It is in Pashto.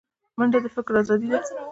منډه د فکر ازادي ده